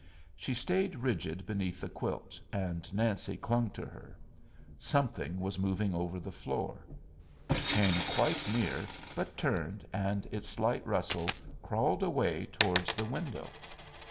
She stayed rigid beneath the quilt, and Nancy clung to her. Something was moving over the floor. It came quite near, but turned, and its slight rustle crawled away towards the window.